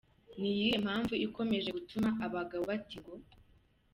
Ni iyihe mpamvu ikomeje gutuma abagabo bata ingo?